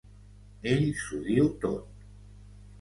Ell s’ho diu tot.